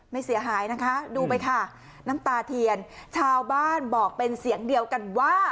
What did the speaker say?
ไม่เสียหายนะคะดูไปค่ะน้ำตาเทียนชาวบ้านบอกเป็นเสียงเดียวกันว่า